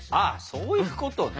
そういうことね。